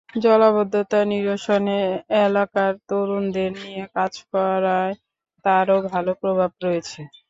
জলাবদ্ধতা নিরসনে এলাকার তরুণদের নিয়ে কাজ করায় তাঁরও ভালো প্রভাব রয়েছে।